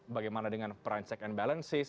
bagaimana dengan peran check and balances